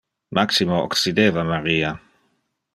Maximo occideva Maria.